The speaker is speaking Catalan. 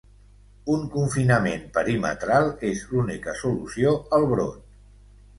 Un confinament perimetral és l’única solució al brot.